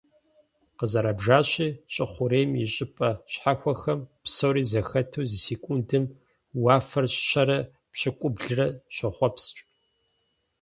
Къызэрабжащи, щӏы хъурейм и щӀыпӀэ щхьэхуэхэм псори зэхэту зы секундым уафэр щэрэ пщӏыукӏублырэ щохъуэпскӀ.